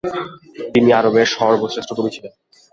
তিনি আরবের সর্বশ্রেষ্ঠ কবি ছিলেন।